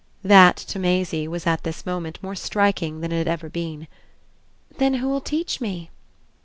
That, to Maisie, was at this moment more striking than it had ever been. "Then who'll teach me?"